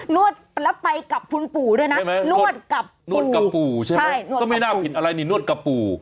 นวดแล้วไปกับคุณปู่ด้วยนะนวดกับปู่ใช่มั้ยก็ไม่น่าผิดอะไรนี่นวดกับปู่